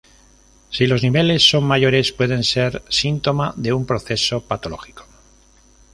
Si los niveles son mayores, puede ser síntoma de un proceso patológico.